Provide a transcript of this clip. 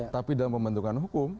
tapi dalam pembentukan hukum